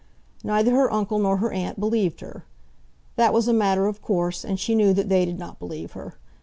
Neither her uncle nor her aunt believed her. That was a matter of course, and she knew that they did not believe her.